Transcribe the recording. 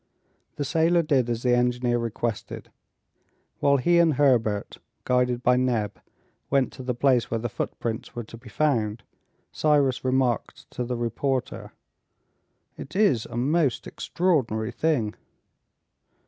The sailor did as the engineer requested. While he and Herbert, guided by Neb, went to the place where the footprints were to be found, Cyrus remarked to the reporter, "It is a most extraordinary thing!"